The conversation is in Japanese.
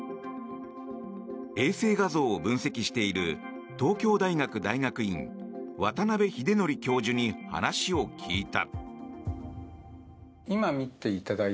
衛星画像を分析している東京大学大学院渡邉英徳教授に話を聞いた。